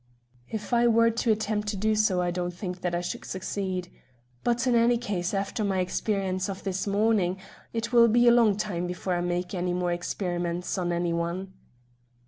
"If I were to attempt to do so I don't think that I should succeed. But, in any case, after my experience of this morning, it will be a long time before I make any more experiments on any one."